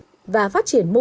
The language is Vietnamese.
để làm sao cho cái sản phẩm ấy